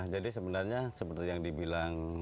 jadi sebenarnya seperti yang dibilang